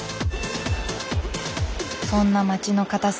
そんな街の片隅